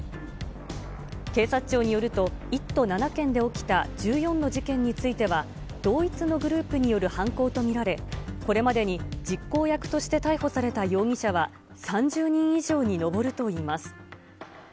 警察庁によると、１都７県で起きた１４の事件については、同一のグループによる犯行と見られ、これまでに実行役として逮捕された容疑者は３０人以上に上るといいます。